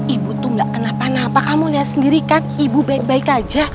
ibu tunggak kenapa napa kamu lihat sendiri kan ibu baik baik aja